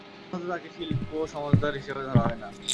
সাধারণত তাকে শিল্প সমঝদার হিসেবে ধরা হয় না।